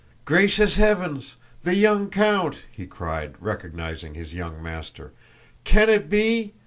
"Gracious heavens! The young count!" he cried, recognizing his young master. "Can it be?